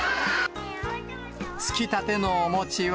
つきたてのお餅は。